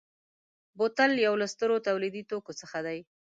بوتل یو له سترو تولیدي توکو څخه دی.